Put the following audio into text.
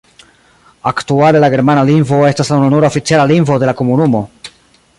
Aktuale la germana lingvo estas la ununura oficiala lingvo de la komunumo.